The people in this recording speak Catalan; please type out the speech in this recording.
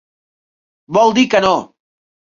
Vol dir que no!